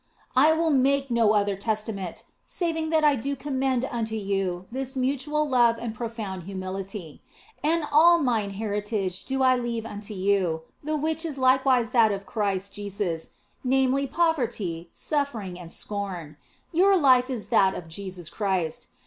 " I will make no other testament, saving that I do com mend unto you this mutual love and profound humility. And all mine heritage do I leave unto you, the which is likewise that of Christ Jesus, namely poverty, suffering, and scorn. Your life is that of Jesus Christ.